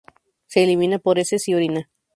Se elimina por heces y orina.